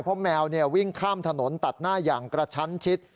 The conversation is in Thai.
เพราะแมววิ่งข้ามถนนตัดหน้าอย่างกระชั้นชิด